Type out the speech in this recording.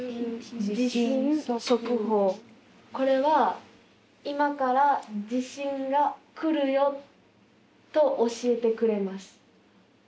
これは「今から地震が来るよ」と教えてくれます。